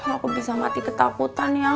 aku bisa mati ketakutan ya